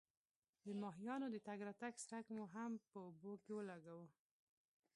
د ماهیانو د تګ راتګ څرک مو هم په اوبو کې ولګاوه.